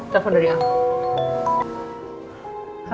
telepon dari al